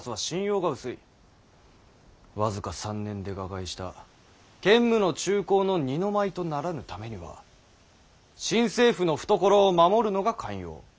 僅か３年で瓦解した建武の中興の二の舞とならぬためには新政府の懐を守るのが肝要。